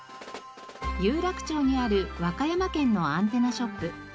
有楽町にある和歌山県のアンテナショップ。